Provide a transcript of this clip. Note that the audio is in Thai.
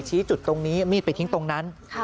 ชี้จุดตรงนี้มีดไปทิ้งตรงนั้น